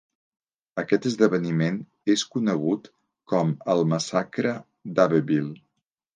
Aquest esdeveniment és conegut com el Massacre d'Abbeville.